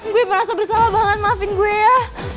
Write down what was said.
gue merasa bersalah banget maafin gue ya